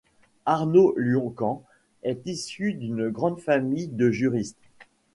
Arnaud Lyon-Caen est issu d'une grande famille de juristes.